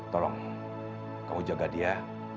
tolong kamu jaga dia